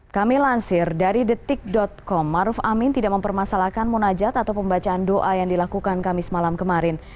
kami lansir dari detik com maruf amin tidak mempermasalahkan munajat atau pembacaan doa yang dilakukan kamis malam kemarin